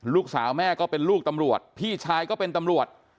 ลูกสาวแม่ก็เป็นลูกตำรวจพี่ชายก็เป็นตำรวจ